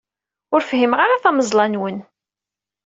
Ur fhimeɣ ara tameẓla-nwen.